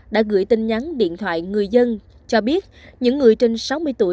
đã gửi tin nhắn điện thoại người dân cho biết những người trên sáu mươi tuổi